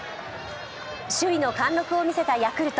首位の貫禄を見せたヤクルト。